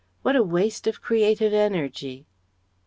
What a waste of creative energy!..."